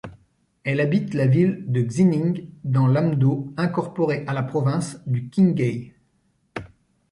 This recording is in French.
Elle habite la ville de Xining dans l'Amdo incorporé à la Province du Qinghai.